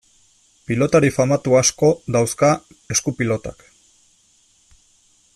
Pilotari famatu asko dauzka esku-pilotak.